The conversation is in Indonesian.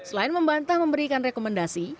selain membantah memberikan rekomendasi